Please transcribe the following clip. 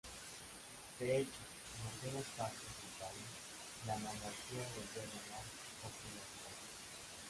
De hecho, en algunas partes del país la monarquía volvió a ganar popularidad.